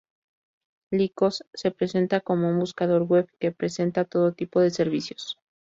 Lycos se presenta como un buscador web que presenta todo tipo de servicios.